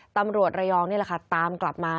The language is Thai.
ตำรวจระยองนี่แหละค่ะตามกลับมา